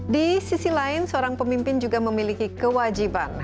di sisi lain seorang pemimpin juga memiliki kewajiban